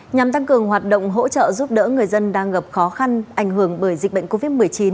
nhằm tăng cường hoạt động hỗ trợ giúp đỡ người dân đang gặp khó khăn ảnh hưởng bởi dịch bệnh covid một mươi chín